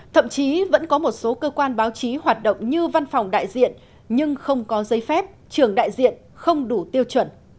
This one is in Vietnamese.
thậm chí vẫn có một số cơ quan báo chí hoạt động như văn phòng đại diện nhưng không có giấy phép trường đại diện không đủ tiêu chuẩn